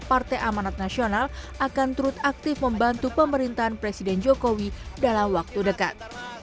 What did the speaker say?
partai amanat nasional akan turut aktif membantu pemerintahan presiden jokowi dalam waktu dekat